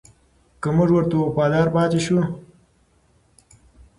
که موږ ورته وفادار پاتې شو.